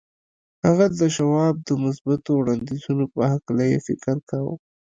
هغه د شواب د مثبتو وړانديزونو په هکله يې فکر کاوه.